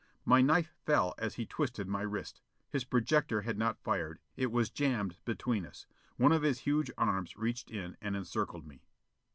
My knife fell as he twisted my wrist. His projector had not fired. It was jammed between us. One of his huge arms reached in and encircled me.